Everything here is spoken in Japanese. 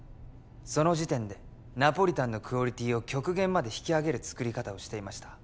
その時点でナポリタンのクオリティーを極限まで引き上げる作り方をしていました